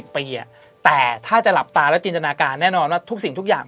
ปีแต่ถ้าจะหลับตาแล้วจินตนาการแน่นอนว่าทุกสิ่งทุกอย่าง